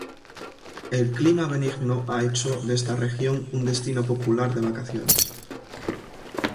El clima benigno ha hecho de esta región un destino popular de vacaciones.